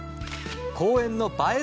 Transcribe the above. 公園の映え